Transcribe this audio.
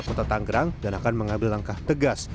kota tanggerang dan akan mengambil langkah tegas